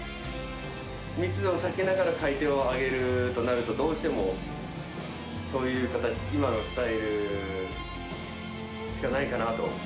密を避けながら、回転を上げるとなると、どうしても、そういう形、今のスタイルしかないかなと。